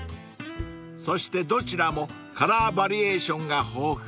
［そしてどちらもカラーバリエーションが豊富］